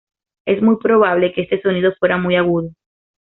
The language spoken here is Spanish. Es muy probable que este sonido fuera muy agudo.